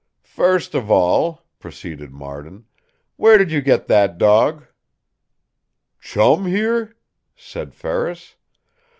"First of all," proceeded Marden, "where did you get that dog?" "Chum here?" said Ferris.